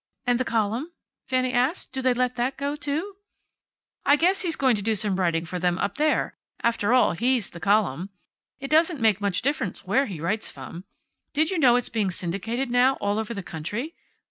"And the column?" Fanny asked. "Do they let that go, too?" "I guess he's going to do some writing for them up there. After all, he's the column. It doesn't make much difference where he writes from. Did you know it's being syndicated now, all over the country?